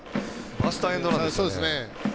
バスターエンドランですね。